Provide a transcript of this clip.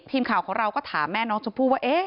ทีมข่าวของเราก็ถามแม่น้องชมพู่ว่า